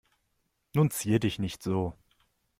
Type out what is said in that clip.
Nun zier dich nicht so.